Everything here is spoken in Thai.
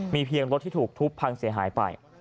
มีเพียงรถที่ถูกทุบพังเสียหายไป